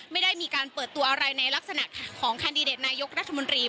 ไม่ได้มีการเปิดตัวอะไรในลักษณะของแคนดิเดตนายกรัฐมนตรี